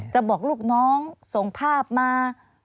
บอกลูกน้องส่งภาพมา